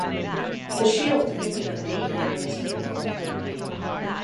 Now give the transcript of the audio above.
The shield depicted the main areas of the borough.